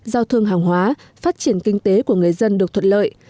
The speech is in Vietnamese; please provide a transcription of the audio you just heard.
giao thương hàng hóa phát triển kinh tế của người dân được thuận lợi